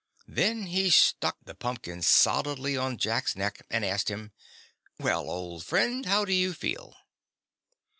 Then he stuck the pumpkin solidly on Jack's neck and asked him: "Well, old friend, how do you feel?"